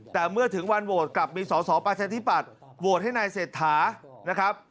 แต่เมื่อถึงวันโหวตกลับมีส่อประชาธิบัติโหวตให้นายเศรษฐา